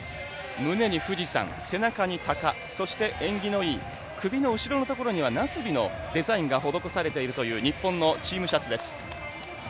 胸に富士山背中に、たか縁起のいい、首の後ろの所にはなすびのデザインを施されている日本のチームシャツです。